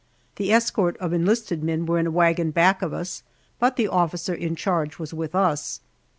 The escort of enlisted men were in a wagon back of us, but the officer in charge was with us.